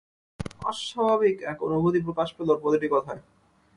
অস্বাভাবিক এক অনুভূতি প্রকাশ পেল ওর প্রতিটি কথায়।